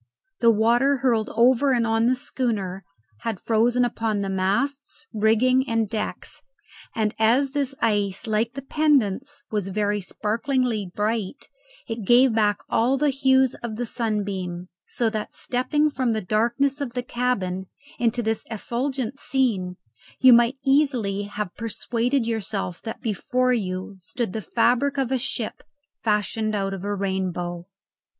The water hurled over and on the schooner had frozen upon the masts, rigging, and decks, and as this ice, like the pendants, was very sparklingly bright, it gave back all the hues of the sunbeam, so that, stepping from the darkness of the cabin into this effulgent scene, you might easily have persuaded yourself that before you stood the fabric of a ship fashioned out of a rainbow.